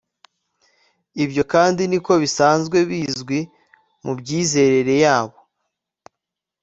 ibyo kandi niko bisanzwe bizwi mu byizerere yabo